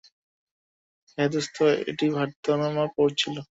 হে দোস্ত, এটা ভারতনাট্যম পোজ ছিল।